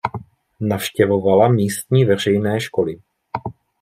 Navštěvovala místní veřejné školy.